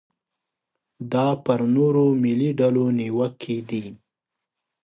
دا پر نورو ملي ډلو نیوکې دي.